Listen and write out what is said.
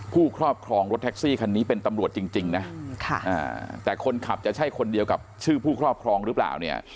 ครอบครองรถแท็กซี่คันนี้เป็นตำรวจจริงนะแต่คนขับจะใช่คนเดียวกับชื่อผู้ครอบครองหรือเปล่าเนี่ย